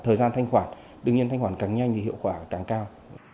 thời gian thanh khoản đương nhiên thanh khoản càng nhanh thì hiệu quả càng cao